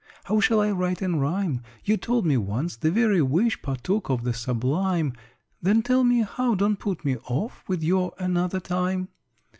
How shall I write in rhyme? You told me once 'the very wish Partook of the sublime.' Then tell me how! Don't put me off With your 'another time'!"